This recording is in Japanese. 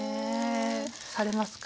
されますか？